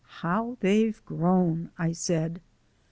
"How they've grown!" I said.